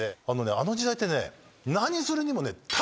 あの時代ってね。